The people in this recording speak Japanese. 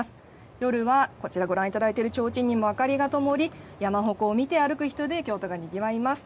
夜は、こちらご覧いただいているちょうちんにも明かりがともり、山鉾を見て歩く人で京都がにぎわいます。